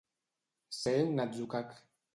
Ser un atzucac.